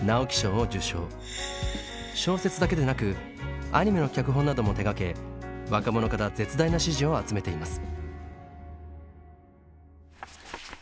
小説だけでなくアニメの脚本なども手がけ若者から絶大な支持を集めています。